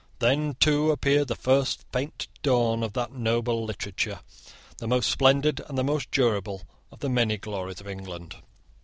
Then too appeared the first faint dawn of that noble literature, the most splendid and the most durable of the many glories of England.